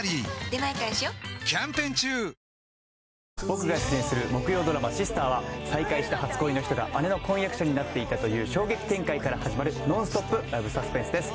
僕が出演する木曜ドラマ『Ｓｉｓｔｅｒ』は再会した初恋の人が姉の婚約者になっていたという衝撃展開からはじまるノンストップラブサスペンスです。